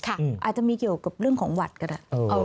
อาจจะมีเกี่ยวกับเรื่องของหวัดก็ได้